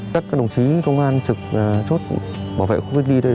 các đồng chí công an trực chốt bảo vệ khu cách ly đây